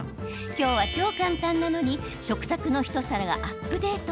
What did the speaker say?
今日は超簡単なのに食卓の一皿がアップデート。